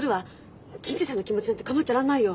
銀次さんの気持ちなんてかまっちゃらんないよ。